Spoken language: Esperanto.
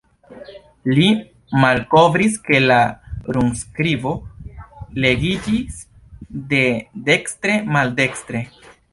Li malkovris ke la runskribo legiĝis de dekstre maldekstren.